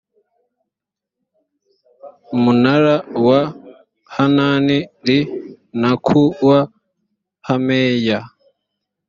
munara wa hanan li no ku wa hameya